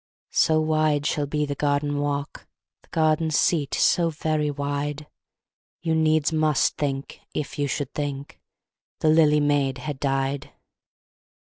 So wide shall be the garden walk, The garden seat so very wide, You needs must think if you should think The lily maid had died.